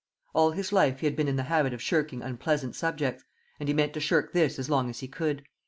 All his life he had been in the habit of shirking unpleasant subjects, and he meant to shirk this as long as he could.